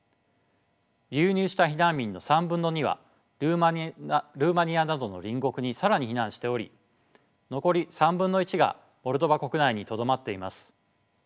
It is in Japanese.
流入した避難民の３分の２はルーマニアなどの隣国に更に避難しており残り３分の１がモルドバ国内にとどまっています。